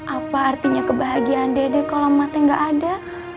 apa artinya kebahagiaan dedek kalau emak teh gak ada